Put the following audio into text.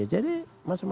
jadi masing masing ada